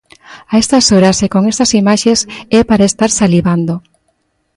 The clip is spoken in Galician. A estas horas e con estas imaxes é para estar salivando.